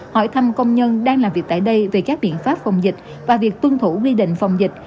hỏi thăm công nhân đang làm việc tại đây về các biện pháp phòng dịch và việc tuân thủ quy định phòng dịch